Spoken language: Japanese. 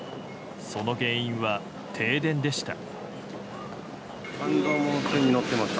その原因は停電でした。